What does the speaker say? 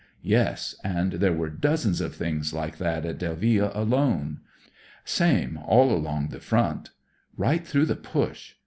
"Yes, and there v> :>e dozv^ns of things like that in Delville alone." Same all along the front." Right through the Push."